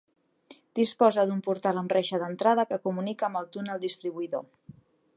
Disposa d'un portal amb reixa d'entrada que comunica amb el túnel distribuïdor.